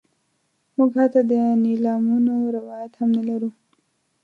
موږ حتی د نیلامونو روایت هم نه لرو.